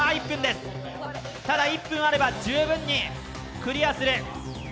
１分あれば十分にクリアする。